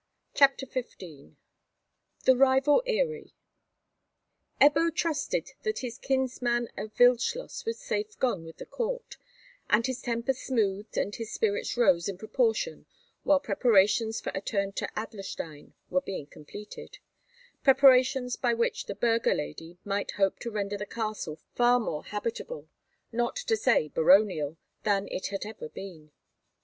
CHAPTER XV THE RIVAL EYRIE EBBO trusted that his kinsman of Wildschloss was safe gone with the Court, and his temper smoothed and his spirits rose in proportion while preparations for a return to Adlerstein were being completed—preparations by which the burgher lady might hope to render the castle far more habitable, not to say baronial, than it had ever been.